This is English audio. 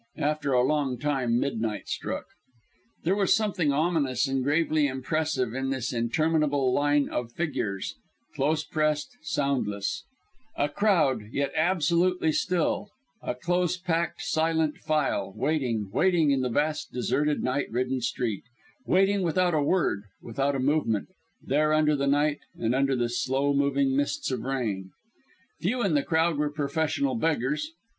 After a long time midnight struck. There was something ominous and gravely impressive in this interminable line of dark figures, close pressed, soundless; a crowd, yet absolutely still; a close packed, silent file, waiting, waiting in the vast deserted night ridden street; waiting without a word, without a movement, there under the night and under the slow moving mists of rain. Few in the crowd were professional beggars.